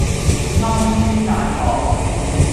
暗箭難防